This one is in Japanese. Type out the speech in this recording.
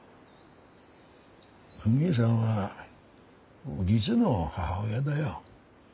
フミエさんは実の母親だよ。